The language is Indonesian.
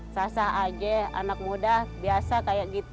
sasa aja anak muda biasa kayak gitu